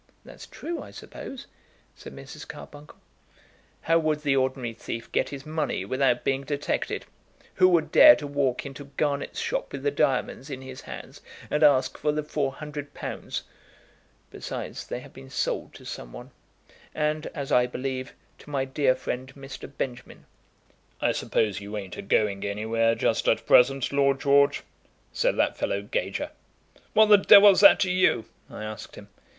"That's true, I suppose," said Mrs. Carbuncle. "How would the ordinary thief get his money without being detected? Who would dare to walk into Garnett's shop with the diamonds in his hands and ask for the four hundred pounds? Besides, they have been sold to some one, and, as I believe, to my dear friend, Mr. Benjamin. 'I suppose you ain't a going anywhere just at present, Lord George?' said that fellow Gager. 'What the devil's that to you?' I asked him.